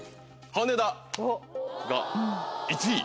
羽田が１位。